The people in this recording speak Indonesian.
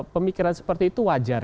pemikiran seperti itu wajar